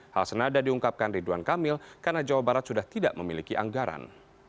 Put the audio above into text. hal senada diungkapkan ridwan kamil karena jawa barat sudah tidak memiliki anggaran